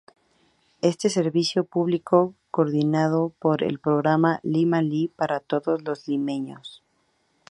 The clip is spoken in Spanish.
Este servicio público coordinado por el el programa "Lima Lee" para todo los limeños.